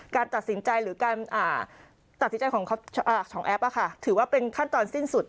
การตัดสินใจหรือการตัดสินใจของแอปถือว่าเป็นขั้นตอนสิ้นสุด